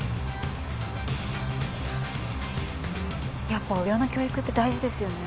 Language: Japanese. やっぱ親の教育って大事ですよね。